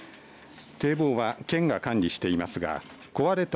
堤防は県が管理していますが壊れた